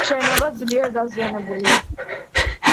შენობა ძლიერ დაზიანებულია.